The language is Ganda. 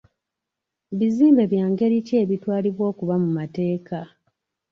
Bizimbe bya ngeri ki ebitwalibwa okuba mu mateeka?